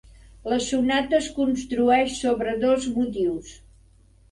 La sonata es construeix sobre dos motius.